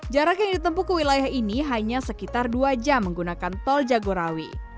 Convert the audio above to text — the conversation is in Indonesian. jarak yang ditempu ke wilayah ini hanya sekitar dua jam menggunakan tol jagorawi